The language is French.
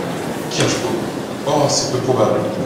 Kirschbaum. — Oh ! c’est peu probable.